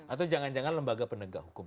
atau jangan jangan lembaga penegak hukum